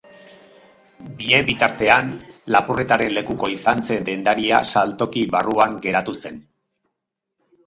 Bien bitartean, lapurretaren lekuko izan zen dendaria saltoki barruan geratu zen.